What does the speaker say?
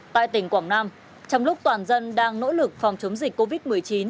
tại tỉnh quảng nam trong lúc toàn dân đang nỗ lực phòng chống dịch covid một mươi chín